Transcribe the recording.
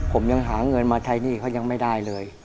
ผมยังหาเงินมาใช้หนี้เขายังไม่ได้เลย